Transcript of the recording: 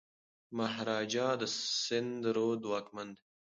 مهاراجا د سند رود واکمن دی.